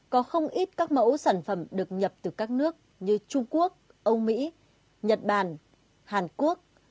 có không ít các mẫu sản phẩm được nhập từ các nước như trung quốc âu mỹ nhật bản hàn quốc